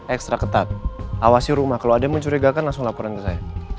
ekstra ketat awasi rumah kalau ada yang mencurigakan langsung laporan ke saya